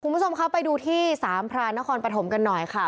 คุณผู้ชมครับไปดูที่สามพรานนครปฐมกันหน่อยค่ะ